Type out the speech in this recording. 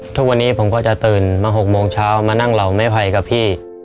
ทุกวันนี้ผมก็จะตื่นมา๖โมงเช้ามานั่งเหล่าไม้ไผ่กับพี่